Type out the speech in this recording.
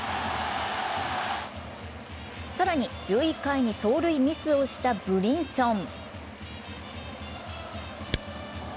更に１１回に走塁ミスをしたブリンソン。